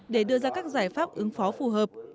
để đưa ra các giải pháp ứng phó phù hợp